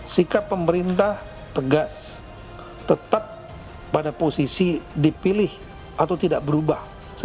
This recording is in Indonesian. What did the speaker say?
sikap pemerintah tegas tetap pada posisi dipilih atau tidak berubah